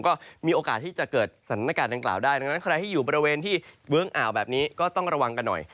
ก็มีโอกาสที่จะเกิดสถานการณ์ดังกล่าวได้ดังนั้นใครที่อยู่บริเวณที่เวิ้งอ่าวแบบนี้ก็ต้องระวังกันหน่อย